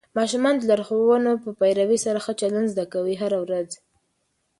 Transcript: ماشومان د لارښوونو په پیروي سره ښه چلند زده کوي هره ورځ.